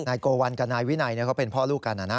นายโกวัลกับนายวินัยเขาเป็นพ่อลูกกัน